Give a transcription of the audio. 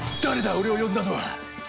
俺を呼んだのは。